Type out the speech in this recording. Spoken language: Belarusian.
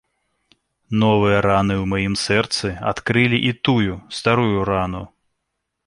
Новыя раны ў маім сэрцы адкрылі і тую старую рану.